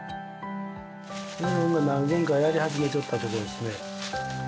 メロンが何軒かやり始めちょったとこですね。